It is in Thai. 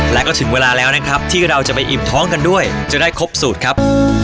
และก็ถึงเวลาแล้วนะครับที่เราจะไปอิ่มท้องกันด้วยจะได้ครบสูตรครับ